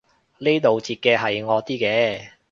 呢度截嘅係惡啲嘅